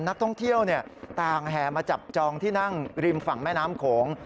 นักท่องเที่ยวต่างแห่มาจับจองที่นั่งริมฝั่งแม่น้ำโขง